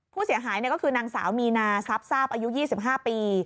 ผู้เสียหายก็คือนางสาวมีนาซับอายุ๒๕ปี